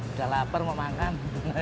udah lapar mau makan